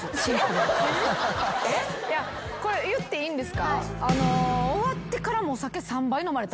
これ言っていいんですか？